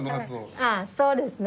「そうですね」。